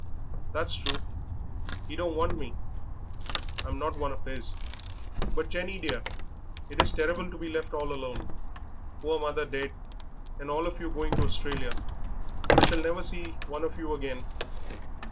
"That's true. He don't want me; I'm not one of his. But, Jenny, dear, it is terrible to be left all alone. Poor mother dead, and all of you going to Australia. I shall never see one of you again."